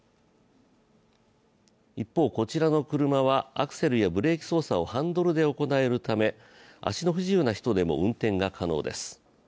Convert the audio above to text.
一方、こちらの車はアクセルやブレーキ操作をハンドルで行えるため足の不自由な人でも運転が可能です。